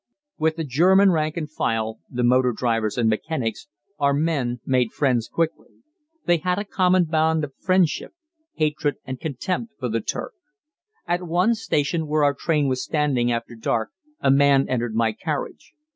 With the German rank and file, the motor drivers and mechanics, our men made friends quickly. They had a common bond of friendship hatred and contempt for the Turk. At one station where our train was standing after dark a man entered my carriage.